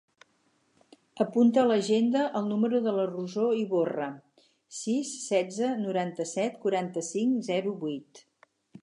Apunta a l'agenda el número de la Rosó Ivorra: sis, setze, noranta-set, quaranta-cinc, zero, vuit.